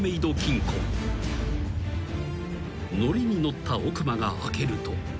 ［ノリに乗った奥間が開けると］